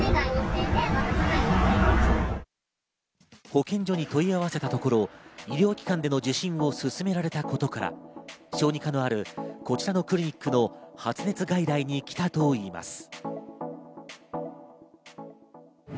保健所に問い合わせたところ、医療機関での受診をすすめられたことから、小児科のある、こちらのクリニックの発熱外来に来たといいます。